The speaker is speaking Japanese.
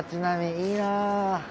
いいな。